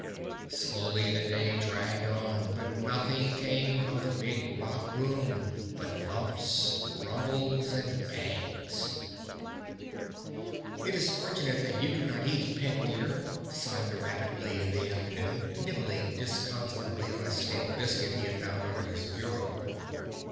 Slowly the day dragged on but nothing came from the big rock room but thumps, grumbles and bangs. [Illustration: (unlabelled)] "It is fortunate that you do not eat, Peg, dear," sighed the rabbit late in the afternoon, nibbling disconsolately on a stale biscuit he had found under his bureau.